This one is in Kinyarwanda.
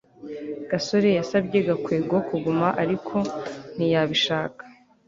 gasore yasabye gakwego kuguma, ariko ntiyabishaka